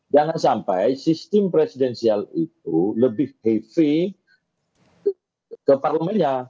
jangan sampai sistem presidensial itu lebih heavy ke parlemennya